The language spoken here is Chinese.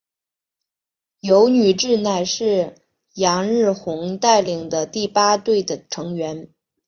油女志乃是夕日红带领的第八队的成员。